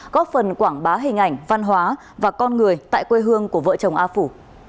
góp phần quảng bá hình ảnh văn hóa và con người tại quê hương của vợ chồng a phủ